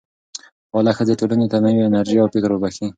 فعاله ښځې ټولنې ته نوې انرژي او فکر وربخښي.